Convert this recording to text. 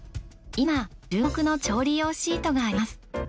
今注目の調理用シートがあります。